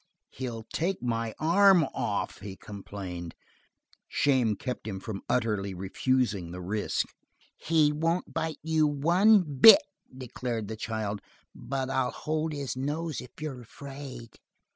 "He'll take my arm off," he complained. Shame kept him from utterly refusing the risk. "He won't bite you one bit," declared the child. "But I'll hold his nose if you're afraid."